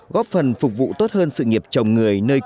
góp phần phục vụ tốt hơn sự nghiệp chồng người nơi đây